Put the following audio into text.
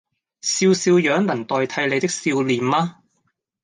笑笑樣能代替你的笑臉嗎